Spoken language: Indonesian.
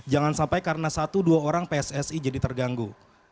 jangan sampai karena satu dua orang pssi jadi terganggu